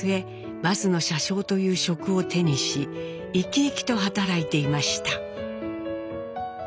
バスの車掌という職を手にし生き生きと働いていました。